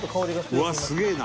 うわあすげえな！」